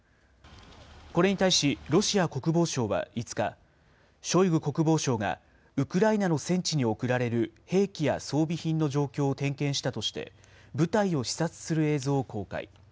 これに対し、ロシア国防省は５日、ショイグ国防相がウクライナの戦地に送られる兵器や装備品の状況を点検したとして、部隊を視察する映像を公開。